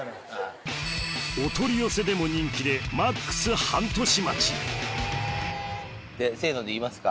お取り寄せでも人気でＭＡＸ半年待ち「せの」で言いますか。